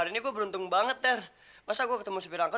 sini deh ken